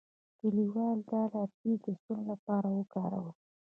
کلیوالو دا لرګي د سون لپاره وکارول.